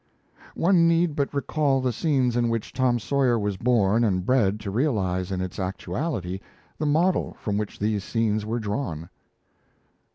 One need but recall the scenes in which Tom Sawyer was born and bred to realize in its actuality the model from which these scenes were drawn.